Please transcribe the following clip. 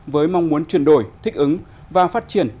với mong muốn chuyển đổi thích ứng và phát triển